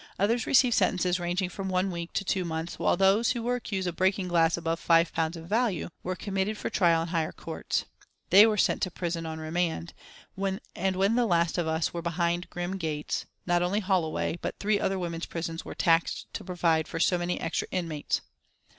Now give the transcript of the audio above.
Others received sentences ranging from one week to two months, while those who were accused of breaking glass above five pounds in value, were committed for trial in higher courts. They were sent to prison on remand, and when the last of us were behind the grim gates, not only Holloway but three other women's prisons were taxed to provide for so many extra inmates.